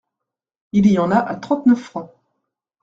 Il y en a à trente-neuf francs.